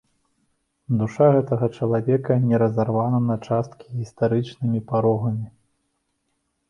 Душа гэтага чалавека не разарвана на часткі гістарычнымі парогамі.